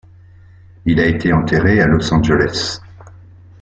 Il a été enterré au à Los Angeles.